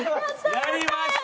やりました！